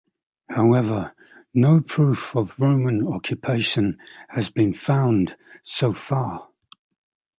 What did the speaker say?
However no proof of Roman occupation has been found so far.